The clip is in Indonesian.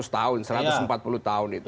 dua ratus tahun satu ratus empat puluh tahun itu